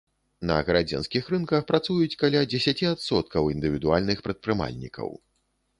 На гарадзенскіх рынках працуюць каля дзесяці адсоткаў індывідуальных прадпрымальнікаў.